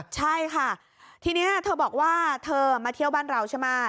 ใช่ค่ะทีนี้เธอบอกว่าเธอมาเที่ยวบ้านเราใช่ไหม